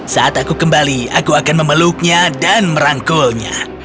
saat aku kembali aku akan memeluknya dan merangkulnya